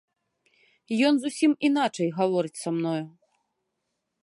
Ён зусім іначай гаворыць са мною.